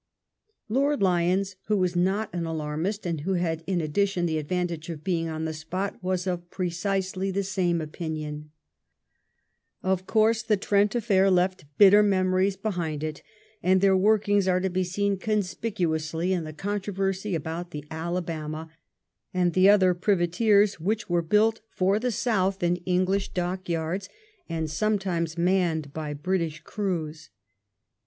Lord Lyons, who was not an alarmist, and who had in addition the advantage of being on the spot, was of precisely the same opinion. FRANCE AND THE UNITED STATES. 225 Of course the Trent affair left bitter memories behind it, and their workings are to be seen ooDspicuously in the controversy about the Alabama and the other privateers T^hich were built for the South in English dockyards, and sometimes manned by British crews.